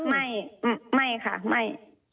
ไม่ไม่ค่ะไม่